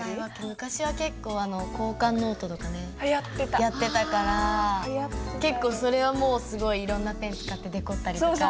昔は結構交換ノートとかねやってたから結構それはもうすごいいろんなペン使ってデコったりとか。